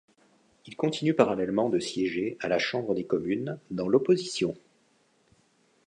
Il continue parallèlement de siéger à la chambre des Communes, dans l’opposition.